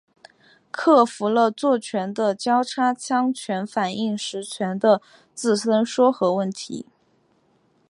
克服了做醛的交叉羟醛反应时醛的自身缩合问题。